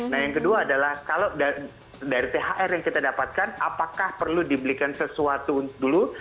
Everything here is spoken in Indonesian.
nah yang kedua adalah kalau dari thr yang kita dapatkan apakah perlu dibelikan sesuatu dulu